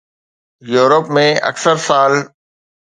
Europe ۾ اڪثر سال